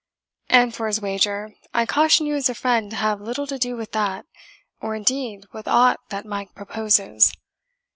And for his wager, I caution you as a friend to have little to do with that, or indeed with aught that Mike proposes.